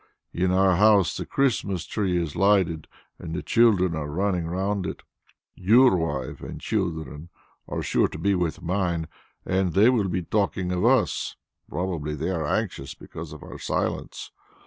In our house the Christmas tree is lighted and the children are running round it. Your wife and children are sure to be with mine, and they will be talking of us. Probably they are anxious because of our silence.